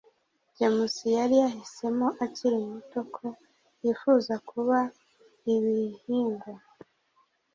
james yari yahisemo akiri muto ko yifuza kuba ibihingwa